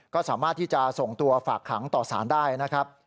ก็สามารถที่จะส่งตัวฝากขังต่อสารได้นะครับ